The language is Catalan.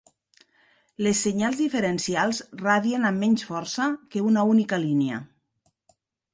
Les senyals diferencials radien amb menys força que una única línia.